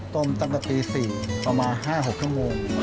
ต้มฯต่อไปปี๔ล้อมา๕๖ชั่วโมง